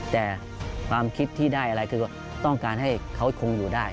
แต่ความคิดที่ได้อะไรคือต้องการให้เขาคงอยู่ได้